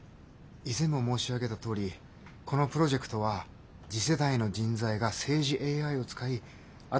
以前も申し上げたとおりこのプロジェクトは次世代の人材が政治ＡＩを使い新しい政治を行うためのものです。